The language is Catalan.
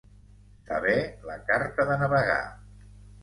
Saber la carta de navegar.